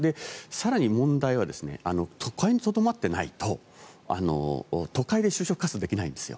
更に問題は都会にとどまっていないと都会で就職活動できないんですよ。